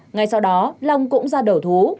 ngay sau đó long cũng ra đẩu thú